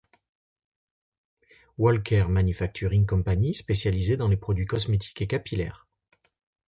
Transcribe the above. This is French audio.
Walker Manufacturing Company, spécialisée dans les produits cosmétiques et capillaires.